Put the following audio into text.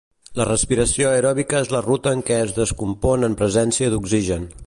La respiració aeròbica és la ruta en què es descompon en presència d'oxigen.